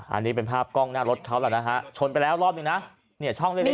อันนี้เป็นภาพกล้องหน้ารถเขาละนะฮะชนไปแล้วรอบหนึ่ง